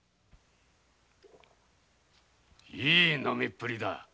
いい飲みっぷりだ。